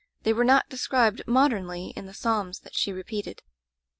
They were not described modernly in the Psahns that she repeated.